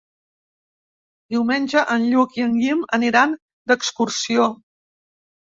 Diumenge en Lluc i en Guim aniran d'excursió.